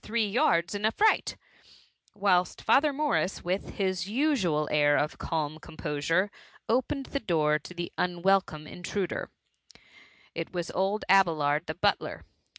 • three jards in a fright :— ^t^hilst Father Morris, with his usual air of calm composure, opened the door to the unweldbme intruder* It vas old Abelard the butler.